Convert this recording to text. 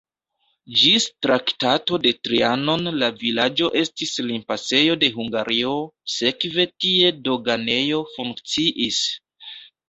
Ĝis Traktato de Trianon la vilaĝo estis limpasejo de Hungario, sekve tie doganejo funkciis.